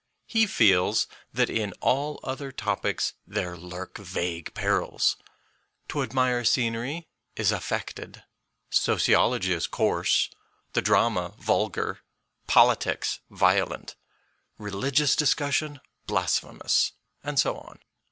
He feels that in all other topics there lurk vague perils. To admire scenery is affected, sociology is coarse, the drama vulgar, politics violent, religious discussion blasphemous, and so on.